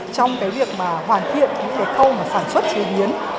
trong cái việc mà hoàn thiện những cái khâu mà sản xuất chế biến